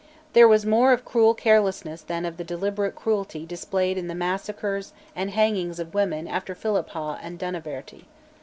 There was more of cruel carelessness than of the deliberate cruelty displayed in the massacres and hangings of women after Philiphaugh and Dunaverty.